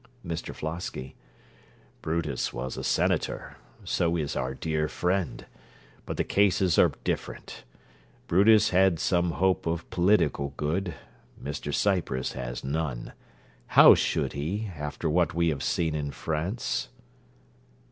MR FLOSKY Brutus was a senator; so is our dear friend: but the cases are different. Brutus had some hope of political good: Mr Cypress has none. How should he, after what we have seen in France?